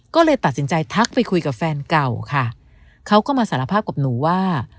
ก็เลยตัดสินใจทักไปคุยกับแฟนเก่าค่ะเขาก็มาสารภาพกับหนูว่า